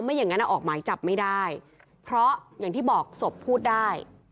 อย่างนั้นออกหมายจับไม่ได้เพราะอย่างที่บอกศพพูดได้